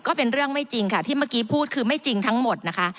ก็เป็นเรื่องไม่จริงค่ะที่เมื่อกี้พูดคือไม่จริงทั้งหมดนะคะ